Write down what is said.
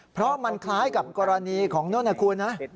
เพราะมันคล้ายกับกรณีของโน่นนะคุณนะ